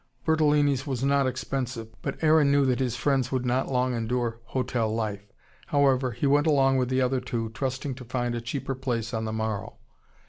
Bertolini's was not expensive but Aaron knew that his friends would not long endure hotel life. However, he went along with the other two, trusting to find a cheaper place on the morrow.